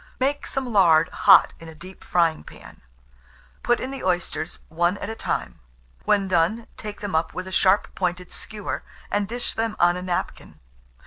Make some lard hot in a deep frying pan, put in the oysters, one at a time; when done, take them up with a sharp pointed skewer, and dish them on a napkin.